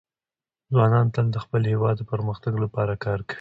ځوانان تل د خپل هېواد د پرمختګ لپاره کار کوي.